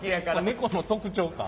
猫の特徴か。